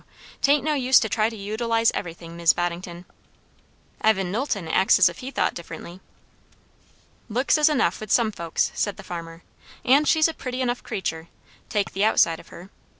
'Tain't no use to try to utilize everything, Mis' Boddington." "Evan Knowlton acts as if he thought differently." "Looks is enough, with some folks," said the farmer; "and she's a pretty enough creatur', take the outside of her.